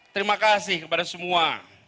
terima kasih kepada semua